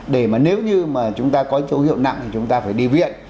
để mà nếu như mà chúng ta có dấu hiệu nặng thì chúng ta phải đi viện